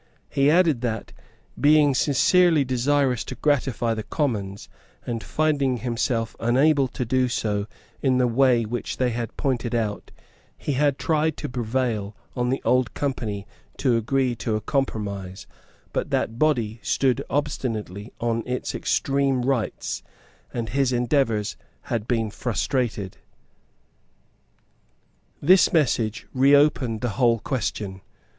He added that, being sincerely desirous to gratify the Commons, and finding himself unable to do so in the way which they had pointed out, he had tried to prevail on the old Company to agree to a compromise; but that body stood obstinately on its extreme rights; and his endeavours had been frustrated. This message reopened the whole question.